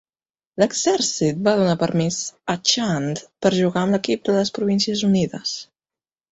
L'exèrcit va donar permís a Chand per jugar amb l'equip de les Províncies Unides.